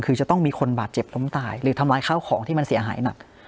คือจะต้องมีคนบาดเจ็บล้มตายหรือทำร้ายข้าวของที่มันเสียหายหนัก